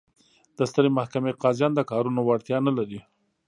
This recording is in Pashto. د سترې محکمې قاضیان د کارونو وړتیا نه لري.